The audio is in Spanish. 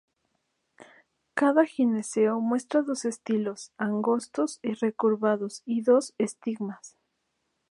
Cada gineceo muestra dos estilos, angostos y recurvados, y dos estigmas.